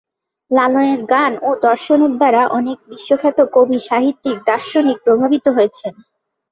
লালনের গান ও দর্শনের দ্বারা অনেক বিশ্বখ্যাত কবি, সাহিত্যিক, দার্শনিক প্রভাবিত হয়েছেন।